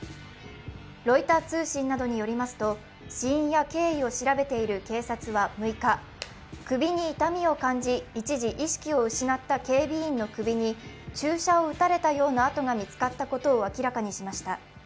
ロイター通信などによりますと、死因や経緯を調べている警察は６日、首に痛みを感じ、一時意識を失った警備員の首に注射を打たれたような痕が見つかったことを明らかにしました。